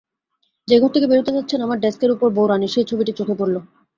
যেই ঘর থেকে বেরোতে যাচ্ছেন, আমার ডেক্সের উপর বউরানীর সেই ছবিটি চোখে পড়ল।